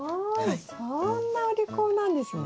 そんなお利口なんですね。